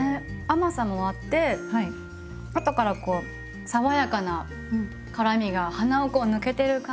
甘さもあって後から爽やかな辛みが鼻をこう抜けてる感じが。